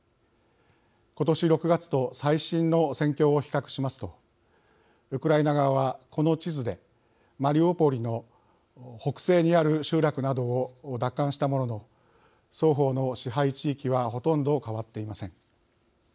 今年６月と最新の戦況を比較しますとウクライナ側はこの地図でマリウポリの北西にある集落などを奪還したものの双方の支配地域はほとんど変わっていません。